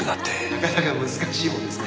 なかなか難しいもんですね。